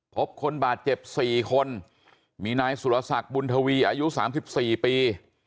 พบคนบาดเจ็บ๔คนมีนายสุรศักดิ์บุญทวีอายุ๓๔ปี